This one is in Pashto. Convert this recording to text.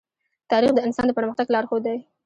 تاریخ د انسان د پرمختګ لارښود دی.